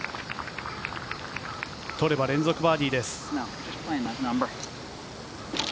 取れば連続バーディーです。